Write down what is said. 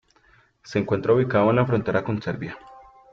Se encuentra ubicado en la frontera con Serbia.